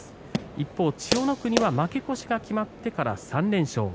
一方、千代の国は負け越しが決まってから３連勝。